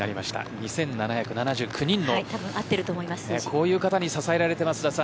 ２７７９人のそういう方に支えられています。